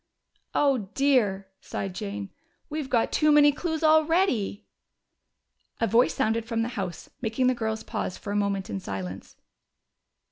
"Oh, dear!" sighed Jane. "We've got too many clues already." A voice sounded from the house, making the girls pause for a moment in silence.